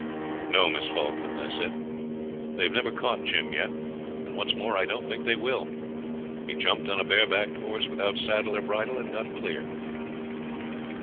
'No, Miss Falkland,' I said. 'They've never caught Jim yet, and, what's more, I don't think they will. He jumped on a bare backed horse without saddle or bridle, and got clear.'